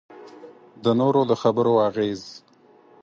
د نورو د خبرو اغېز.